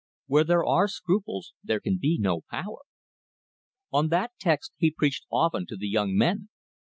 Where there are scruples there can be no power. On that text he preached often to the young men.